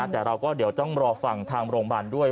แต่เราก็เดี๋ยวต้องรอฟังทางโรงพยาบาลด้วย